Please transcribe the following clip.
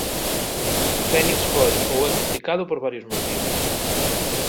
Fenix foi ou é criticado por varios motivos.